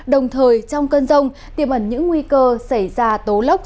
đồng thời trong cơn rông tiềm ẩn những nguy cơ xảy ra tố lốc